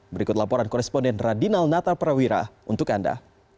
berikut laporan koresponden radinal natar prawira untuk anda